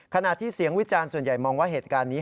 ขณะที่เสียงวิจารณ์ส่วนใหญ่มองว่าเหตุการณ์นี้